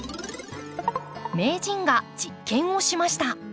名人が実験をしました。